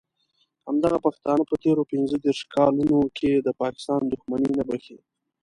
همدغه پښتانه په تېرو پینځه دیرشو کالونو کې د پاکستان دښمني نه بښي.